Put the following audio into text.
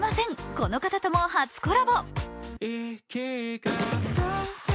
この方とも初コラボ。